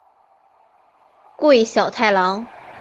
桂小太郎。